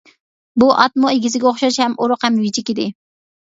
بۇ ئاتمۇ ئىگىسىگە ئوخشاش ھەم ئورۇق ھەم ۋىجىك ئىدى.